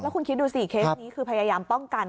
คุณคิดดูสิเคสนี้คือพยายามป้องกัน